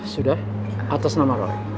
sudah atas nama rory